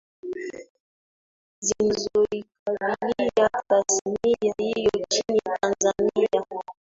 zinazoikabilia tasnia hiyo nchini Tanzania